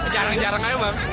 jarang jarang aja bang